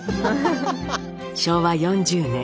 昭和４０年。